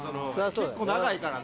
結構長いからな。